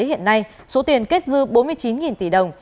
hiện nay số tiền kết dư bốn mươi chín tỷ đồng